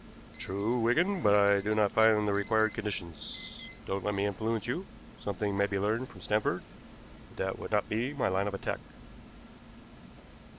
"True, Wigan, but I do not find the required conditions. Don't let me influence you. Something may be learned from Stanford, but that would not be my line of attack."